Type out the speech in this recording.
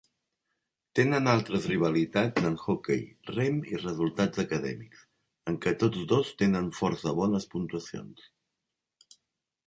Tenen altres rivalitats en hoquei, rem i resultats acadèmics, en què tots dos tenen força bones puntuacions.